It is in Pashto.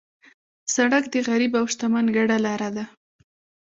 سړک د غریب او شتمن ګډه لار ده.